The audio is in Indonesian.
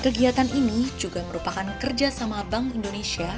kegiatan ini juga merupakan kerjasama bank indonesia